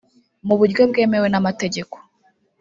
mu buryo bwemewe n’amategeko